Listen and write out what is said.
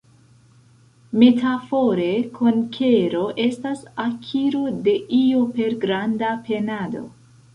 Metafore konkero estas akiro de io per granda penado.